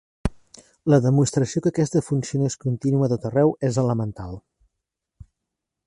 La demostració que aquesta funció és contínua a tot arreu és elemental.